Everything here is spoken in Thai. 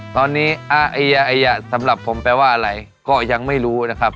ตอนนี้สำหรับผมแปลว่าอะไรก็ยังไม่รู้นะครับ